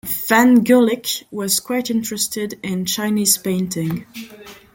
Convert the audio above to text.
Van Gulik was quite interested in Chinese painting.